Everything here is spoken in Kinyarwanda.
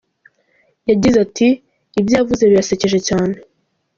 Yagize ati “Ibyo yavuze birasekeje cyane.